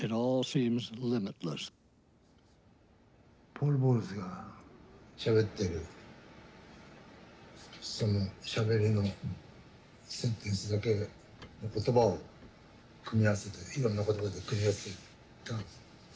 ポール・ボウルズがしゃべってるそのしゃべりのセンテンスだけの言葉を組み合わせていろんな言葉で組み合わせた。